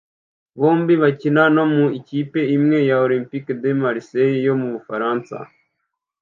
bombi bakina no mu ikipe imwe ya Olympique de Marseille yo mu Bufaransa